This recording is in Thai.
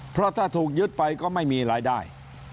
เพราะถ้าถูกยึดไปก็ไม่มีรายได้